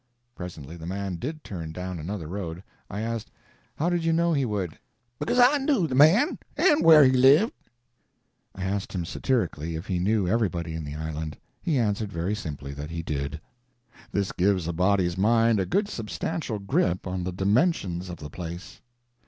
Presently the man did turn down another road. I asked, "How did you know he would?" "Because I knew the man, and where he lived." I asked him, satirically, if he knew everybody in the island; he answered, very simply, that he did. This gives a body's mind a good substantial grip on the dimensions of the place.